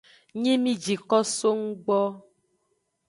Nyi mi ji ko so nggbo.